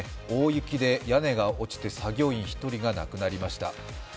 大雪で屋根が落ちて作業員１人が亡くなりました。